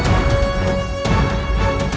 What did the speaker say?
selamat tinggal puteraku